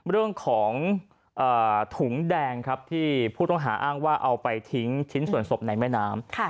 เรื่องของถุงแดงครับที่ผู้ต้องหาอ้างว่าเอาไปทิ้งชิ้นส่วนศพในแม่น้ำ